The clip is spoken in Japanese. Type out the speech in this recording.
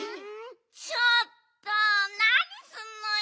ちょっとなにすんのよ！